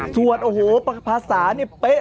สวดโอ้โหภาษาเนี่ยเป๊ะ